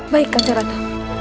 baik kak cerata